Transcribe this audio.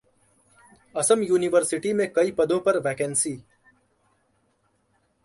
Assam university में कई पदों पर वैकेंसी